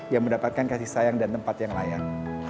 yang mendapatkan kasih sayang dan tempat yang layak